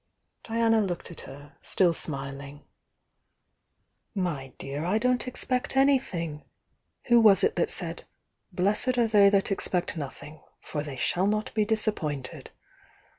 Diana looked at her, still smiling. "My dear, I don't expect anything! Who was it that said : 'Blessed are they that expect nothing, for they shall not be disappointed'?